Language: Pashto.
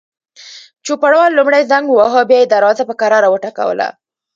چوپړوال لومړی زنګ وواهه، بیا یې دروازه په کراره وټکوله.